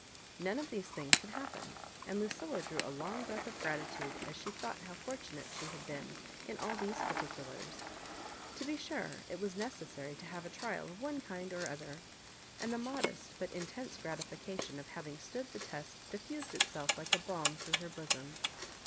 None of these things had happened, and Lucilla drew a long breath of gratitude as she thought how fortunate she had been in all these particu lars. To be sure, it was necessary to have a trial of one kind or other ; and the modest but intense gratification of having stood the test dif fused itself like a balm through her bosom.